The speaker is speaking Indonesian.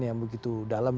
yang begitu dalam